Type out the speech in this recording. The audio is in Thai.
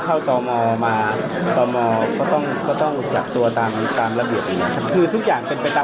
ตัวันเมื่อกี้คือทุกอย่างเป็นไปตามระเบียบที่เขาบอกไปว่า